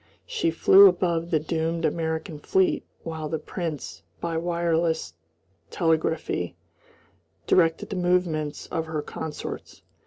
She flew above the doomed American fleet while the Prince by wireless telegraphy directed the movements of her consorts.